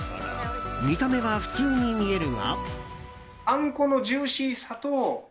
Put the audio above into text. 見た目は普通に見えるが。